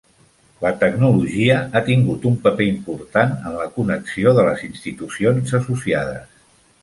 La tecnologia ha tingut un paper important en la connexió de les institucions associades.